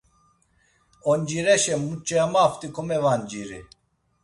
Oncireşe muç̌e amaft̆i komevanciri.